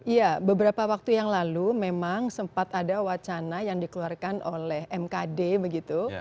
ya beberapa waktu yang lalu memang sempat ada wacana yang dikeluarkan oleh mkd begitu